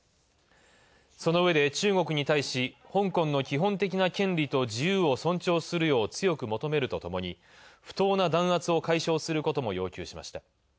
そのうえで中国に対し香港の基本的な権利と自由を尊重するよう強く求めるとともに、不当な弾圧を要求する解消することも要求しました。